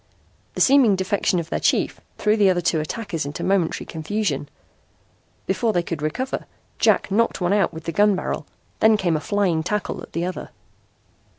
The seeming defection of their chief threw the other two attackers into momentary confusion. Before they could recover, Jack knocked one out with the gun barrel, then came a flying tackle at the other.